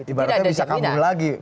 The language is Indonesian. ibaratnya bisa kambuh lagi